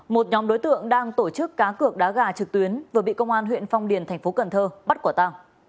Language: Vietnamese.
một nhóm đối tượng đang tổ chức cá cược đá gà trực tuyến vừa bị công an huyện phong điền thành phố cần thơ bắt quả ta